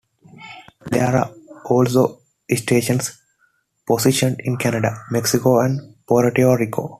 There are also stations positioned in Canada, Mexico and Puerto Rico.